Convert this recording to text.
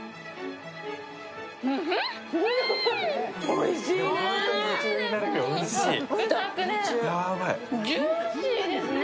おいしいね。